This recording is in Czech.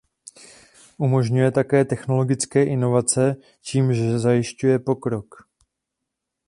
Umožňuje také technologické inovace, čímž zajišťuje pokrok.